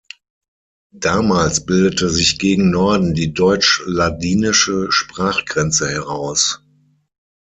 Damals bildete sich gegen Norden die deutsch-ladinische Sprachgrenze heraus.